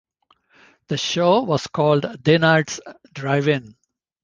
The show was called Daynard's Drive-In.